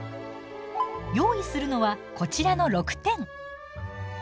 用意するのはこちらの６点。